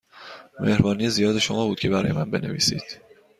مهربانی زیاد شما بود که برای من بنویسید.